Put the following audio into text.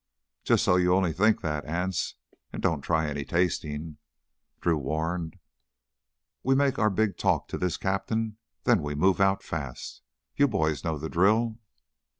"Just so you only think that, Anse, and don't try any tastin'," Drew warned. "We make our big talk to this captain, and then we move out fast. You boys know the drill?"